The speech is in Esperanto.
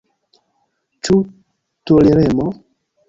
Ĉu toleremo?